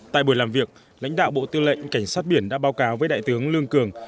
tại buổi làm việc lãnh đạo bộ tư lệnh cảnh sát biển đã báo cáo với đại tướng lương cường